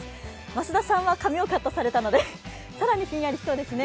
増田さんは髪をカットされたので更にひんやりしそうですね。